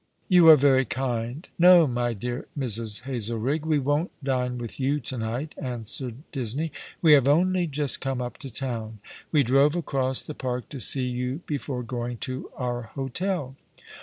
" You are very kind ; no, my dear Mrs. Hazelrigg, we won't dine with you to night," answered Disney. " We have only just come up to town. We drove across the park to see you before going to our hotel.